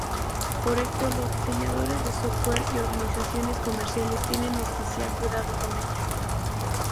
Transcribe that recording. Por esto, los diseñadores de software y organizaciones comerciales tienen especial cuidado con ella.